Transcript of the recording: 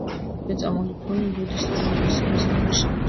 მეწამული ფონი ბუდისტურ უმრავლესობას აღნიშნავს.